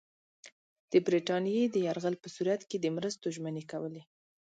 د برټانیې د یرغل په صورت کې د مرستو ژمنې کولې.